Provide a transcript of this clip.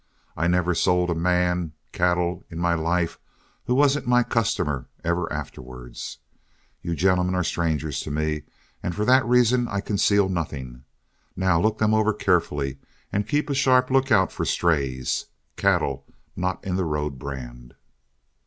I never sold a man cattle in my life who wasn't my customer ever afterward. You gentlemen are strangers to me; and for that reason I conceal nothing. Now look them over carefully, and keep a sharp lookout for strays cattle not in the road brand."